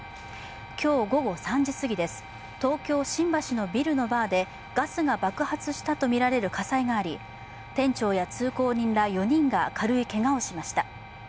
今日午後３時過ぎです、東京・新橋のビルのバーでガスが爆発したとみられる葛西があり店長や通行人ら４人が軽いけがをしました。